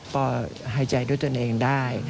ปอร์สามารถหายใจโดยตนเองได้